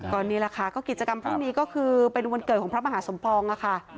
ก็นี่แหละค่ะก็กิจกรรมพรุ่งนี้ก็คือเป็นวันเกิดของพระมหาสมปองค่ะ